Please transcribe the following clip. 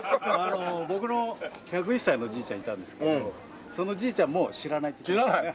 僕の１０１歳のじいちゃんいたんですけどそのじいちゃんも知らないって言ってました。